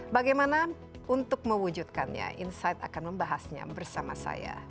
bagaimana untuk mewujudkannya insight akan membahasnya bersama saya